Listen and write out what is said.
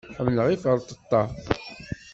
Ḥemmleɣ iferṭeṭṭa.